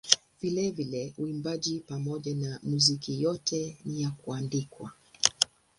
Vilevile uimbaji pamoja na muziki yote ni ya kuandikwa.